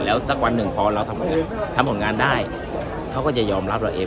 แล้วสักวันหนึ่งพอเราทำผลงานได้เขาก็จะยอมรับเราเอง